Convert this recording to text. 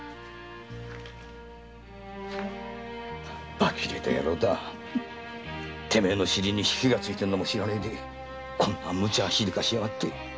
あきれた野郎だてめえの尻に火がついてるのも知らねえでこんなムチャしやがって。